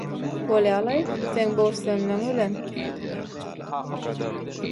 – Bolýa-laý. Seň böwürslenleň bilen...